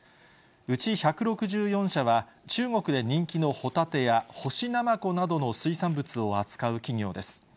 うち１６４社は、中国で人気のホタテや干しナマコなどの水産物を扱う企業です。